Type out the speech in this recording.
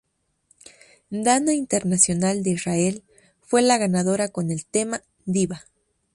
Dana International, de Israel, fue la ganadora con el tema ""Diva"".